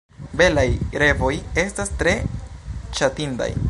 Belaj revoj estas tre ŝatindaj.